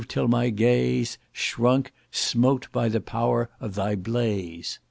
till my gaze Shrunk, smote by the pow'r of thy blaze."